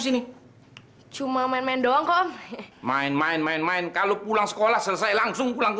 sini cuma main main doang main main main kalau pulang sekolah selesai langsung pulang ke